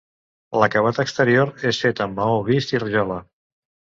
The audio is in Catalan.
L'acabat exterior és fet amb maó vist i rajola.